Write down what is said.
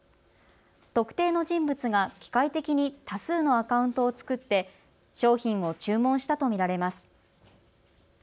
特定の人物が機械的に多数のアカウントを作って商品を注文したと見られます。